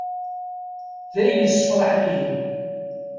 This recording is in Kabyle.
D ayen issefṛaḥen ihi.